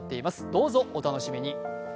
どうぞお楽しみに。